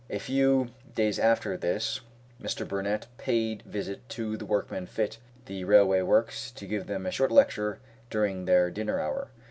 A few days after this Mr. Burnett paid visit to the workmen at the Railway Works, to give them a short lecture during their dinner hour.